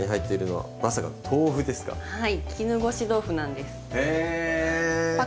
はい。